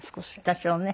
多少ね。